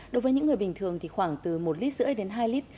đối với những người bình thường thì khoảng từ một lít rưỡi đến hai lít